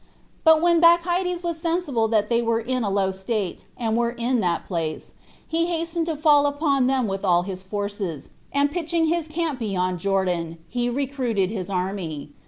But when Bacchides was sensible that they were in a low state, and were in that place, he hasted to fall upon them with all his forces, and pitching his camp beyond Jordan, he recruited his army.